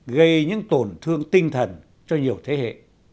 gây những tổn thương tinh thần cho nhiều thế hệ